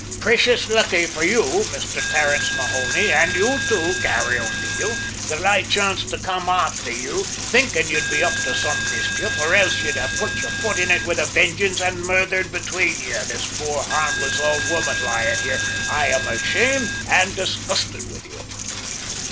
`Preshous lucky for you, Misther Terence Mahony, an' you, too, Garry O'Neil, that I chanced to come afther you, thinkin' ye'd be up to some mischief, or else ye'd have put your foot in it with a vengeance an' murthered between you this poor, harmless ould woman lying here. I am ashamed and disgusted with you!'